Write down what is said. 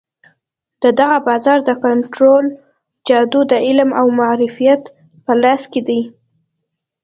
د دغه بازار د کنترول جادو د علم او معرفت په لاس کې دی.